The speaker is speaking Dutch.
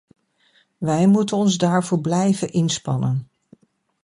Wij moeten ons daarvoor blijven inspannen!